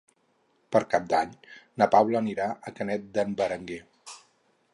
Per Cap d'Any na Paula anirà a Canet d'en Berenguer.